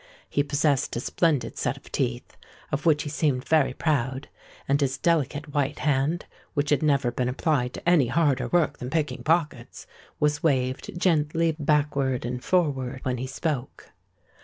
He possessed a splendid set of teeth, of which he seemed very proud; and his delicate white hand, which had never been applied to any harder work than picking pockets, was waved gently backward and forward when he spoke.